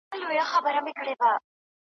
سي به څرنګه په کار د غلیمانو .